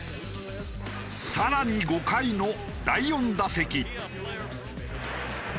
更に５回の第４打席。